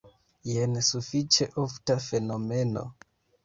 Jen sufiĉe ofta fenomeno.